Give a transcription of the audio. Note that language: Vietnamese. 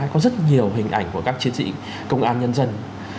có rất nhiều hình ảnh của các chiến sĩ công an nhân dân